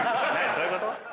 どういうこと？